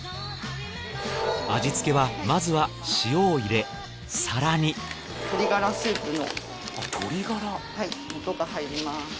味付けはまずは塩を入れ更に鶏ガラスープの素が入ります。